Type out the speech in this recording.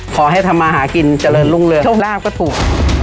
ขอให้ทำมาหากินเจริญรุ่งเรืองโชคลาภก็ถูก